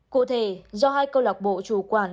cụ thể do hai cơ lọc bộ chủ quản